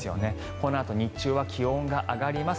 このあと日中は気温が上がります。